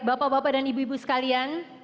bapak bapak dan ibu ibu sekalian